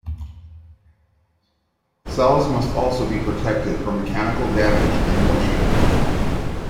Cells must also be protected from mechanical damage and moisture.